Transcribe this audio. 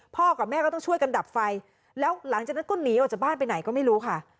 กับแม่ก็ต้องช่วยกันดับไฟแล้วหลังจากนั้นก็หนีออกจากบ้านไปไหนก็ไม่รู้ค่ะ